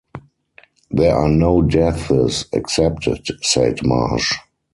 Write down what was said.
"There are no deaths expected," said Marsh.